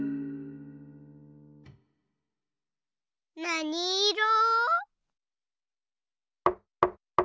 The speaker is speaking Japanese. なにいろ？